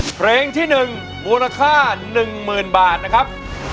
เพลงที่๑มูลค่า๑๐๐๐บาทนะครับ